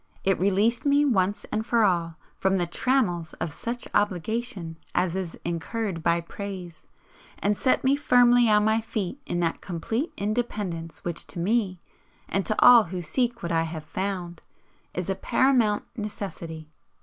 It released me once and for all from the trammels of such obligation as is incurred by praise, and set me firmly on my feet in that complete independence which to me (and to all who seek what I have found) is a paramount necessity.